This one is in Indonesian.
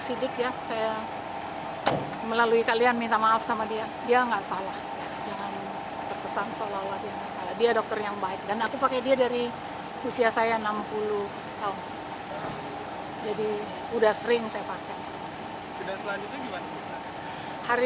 sidik ya saya melalui kalian minta maaf sama dia dia nggak salah jangan terkesan seolah olah dia masalah dia dokter yang baik dan aku pakai dia dari usia saya enam puluh tahun jadi udah sering saya pakai